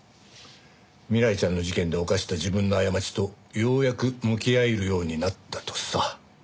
未来ちゃんの事件で犯した自分の過ちとようやく向き合えるようになったとさ。